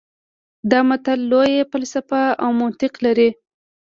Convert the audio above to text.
دا متل لویه فلسفه او منطق لري